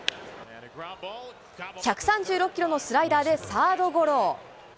１３６キロのスライダーでサードゴロ。